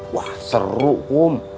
wah seru kum